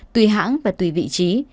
tùy hãng và tùy vị trí